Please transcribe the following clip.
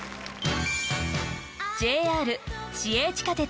ＪＲ市営地下鉄